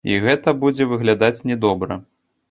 І гэта будзе выглядаць не добра.